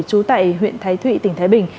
chú tại huyện thái thụy tỉnh thái bình